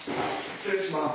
失礼します。